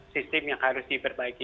sistem yang harus diperbaiki